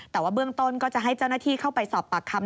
แต่ว่าเบื้องต้นก็จะให้เจ้าหน้าที่เข้าไปสอบปากคำ